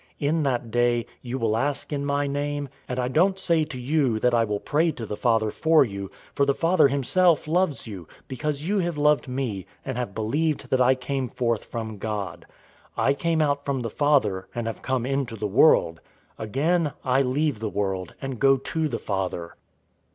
016:026 In that day you will ask in my name; and I don't say to you, that I will pray to the Father for you, 016:027 for the Father himself loves you, because you have loved me, and have believed that I came forth from God. 016:028 I came out from the Father, and have come into the world. Again, I leave the world, and go to the Father."